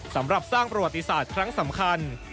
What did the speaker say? สำหรับสร้างประวัติศาสตร์ครั้งสำคัญ